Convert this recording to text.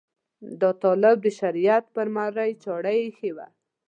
دا طالب د شریعت پر مرۍ چاړه ایښې وه.